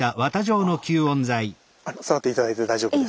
触って頂いて大丈夫です。